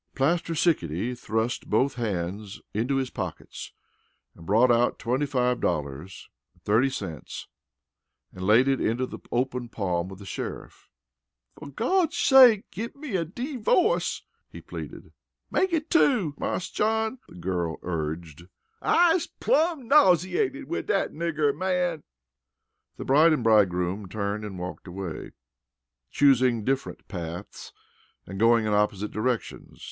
Plaster Sickety thrust both hands into his pockets, brought out twenty five dollars and thirty cents and laid it into the open palm of the sheriff. "Fer Gawd's sake, git me a deevo'ce!" he pleaded. "Make it two, Marse John," the girl urged. "I's plum' nauseated wid dat nigger man." The bride and bridegroom turned and walked away, choosing different paths and going in opposite directions.